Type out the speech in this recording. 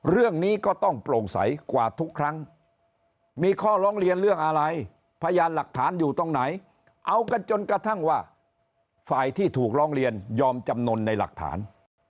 เรื่องนี้ก็ต้องโปร่งใสกว่าทุกครั้งมีข้อร้องเรียนเรื่องอะไรพยานหลักฐานอยู่ตรงไหนเอากันจนกระทั่งว่าฝ่ายที่ถูกร้องเรียนยอมจำนวนในหลักฐาน